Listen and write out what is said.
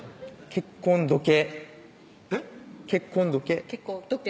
結婚時計